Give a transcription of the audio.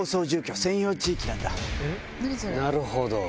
なるほど。